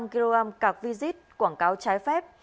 ba mươi năm kg cạc vi rít quảng cáo trái phép